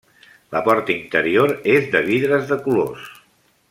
La porta interior és de vidres de colors.